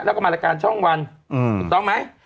แล้วก็มารายการช่องวันถูกต้องไหม